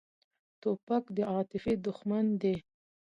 توپک د عاطفې دښمن دی.